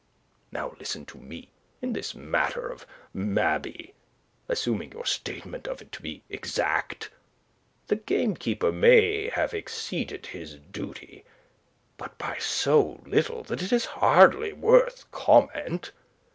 Now listen to me. In this matter of Mabey assuming your statement of it to be exact the gamekeeper may have exceeded his duty; but by so little that it is hardly worth comment.